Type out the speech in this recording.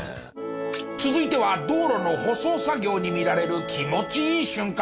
続いては道路の舗装作業に見られる気持ちいい瞬間。